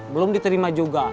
belum diterima juga